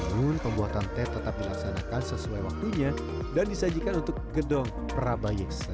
namun pembuatan teh tetap dilaksanakan sesuai waktunya dan disajikan untuk gedong prabayekse